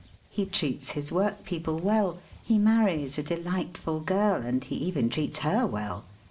He treats his work people well. He marries a delightful girl, and he even treats her well.